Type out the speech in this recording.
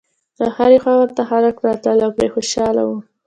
له هرې خوا ورته خلک راتلل او پرې خوشاله و.